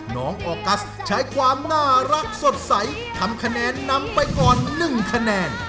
น้องออกัสใช้ความน่ารักสดใสทำคะแนนนำไปก่อน๑คะแนน